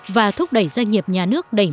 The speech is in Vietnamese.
và thúc đẩy doanh nghiệp nhà nước đẩy